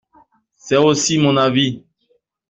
C’est aussi mon avis.